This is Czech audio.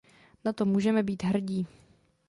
Na to můžeme být hrdí.